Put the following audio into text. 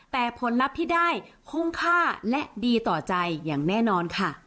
แต่ผลลัพธ์ที่ได้คุ้มค่าและดีต่อใจอย่างแน่นอนค่ะ